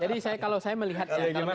jadi kalau saya melihat